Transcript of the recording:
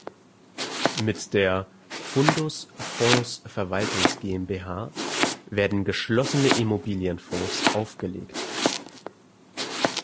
Mit der "Fundus Fonds-Verwaltungen GmbH" werden geschlossene Immobilienfonds aufgelegt.